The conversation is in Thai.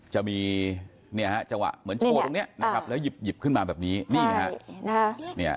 เหมือนเป็นโถแล้วยิบขึ้นมาแบบนี้